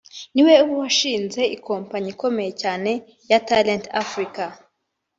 ni we washinze ikompanyi ikomeye cyane ya Talent Africa